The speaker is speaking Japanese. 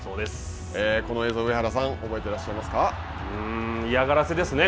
この映像、上原さん、覚えてら嫌がらせですね